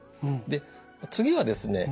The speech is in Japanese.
で次はですね